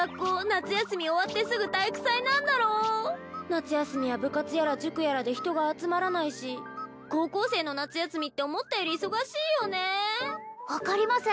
夏休み終わってすぐ体育祭なんだろ夏休みは部活やら塾やらで人が集まらないし高校生の夏休みって思ったより忙しいよね分かります